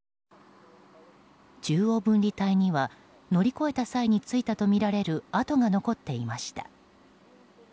中央分離帯には乗り越えた際についたとみられる跡が残っていました。